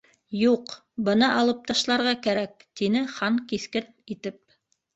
—Юҡ, быны алып ташларға кәрәк, —тине Хан киҫкен итеп.